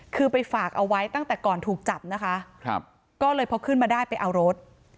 คือไปฝากเอาไว้ตั้งแต่ก่อนถูกจับนะคะก็เลยพอขึ้นมาได้ไปเอารถ